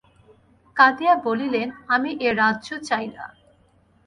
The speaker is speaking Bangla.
কাঁদিয়া বলিলেন, আমি এ রাজ্য চাই না।